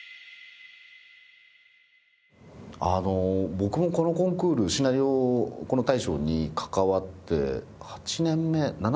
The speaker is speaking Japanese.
僕もこのコンクールシナリオ大賞に関わって８年目７年目か。